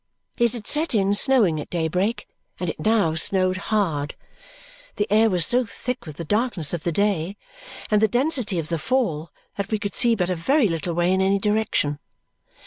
It had set in snowing at daybreak, and it now snowed hard. The air was so thick with the darkness of the day and the density of the fall that we could see but a very little way in any direction.